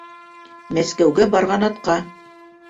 Мәскәүгә барған атҡа!